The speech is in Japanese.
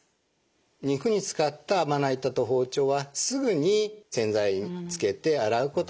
肉に使ったまな板と包丁はすぐに洗剤につけて洗うことも重要なんですね。